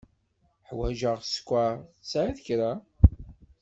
Ḥwaǧeɣ sskeṛ. Tesεiḍ kra?